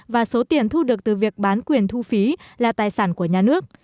và số tiền thu được từ việc bán quyền thu phí là tài sản của nhà nước